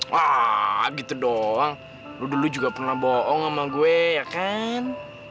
wah gitu doang lu dulu juga pernah bohong sama gue ya kan